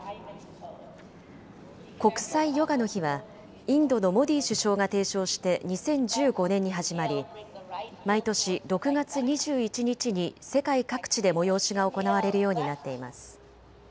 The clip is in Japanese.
国際ヨガの日はインドのモディ首相が提唱して２０１５年に始まり毎年６月２１日に世界各地で催しが行われるようになっています。